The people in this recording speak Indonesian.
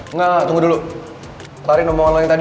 enggak tunggu dulu kelarin omongan lo yang tadi